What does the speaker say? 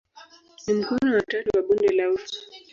Ni mkono wa tatu wa bonde la ufa.